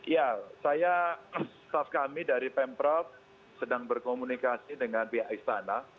ya saya staff kami dari pemprov sedang berkomunikasi dengan pihak istana